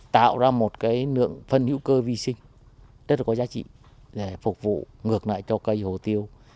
tạo ra một cái lượng phân hữu cơ vi sinh rất là có giá trị để phục vụ ngược lại cho cây hồ tiêu